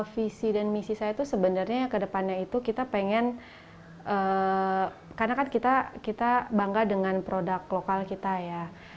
visi dan misi saya itu sebenarnya ke depannya itu kita pengen karena kan kita bangga dengan produk lokal kita ya